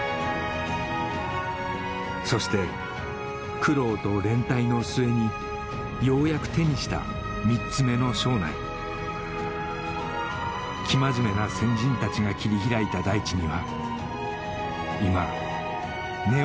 そして苦労と連帯の末にようやく手にした三つめの庄内生真面目な先人たちが切り開いた大地には今根を張って生きる家族の姿があります